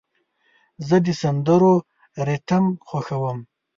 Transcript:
زه د سندرو ریتم خوښوم.